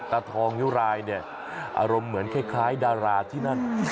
ตาทองนิ้วรายเนี่ยอารมณ์เหมือนคล้ายดาราที่นั่น